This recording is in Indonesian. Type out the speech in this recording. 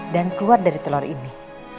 dan keluar dari telur ini